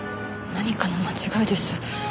何かの間違いです。